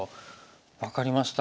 分かりました。